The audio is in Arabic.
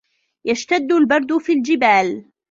يَشْتَدُّ الْبَرْدُ فِي الْجِبَالِ.